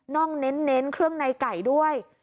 ่องเน้นเครื่องในไก่ด้วย